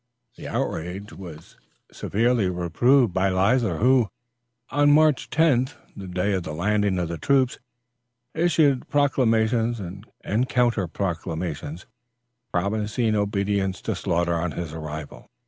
The outrage was severely reproved by Leisler, who, on March 10th, the day of the landing of the troops issued proclamations and counter proclamations, promising obedience to Sloughter on his arrival.